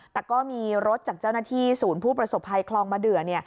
แต่ก็มีรถจากเจ้าหน้าที่ศูนย์ผู้ประสบภัยคลองมะเดือ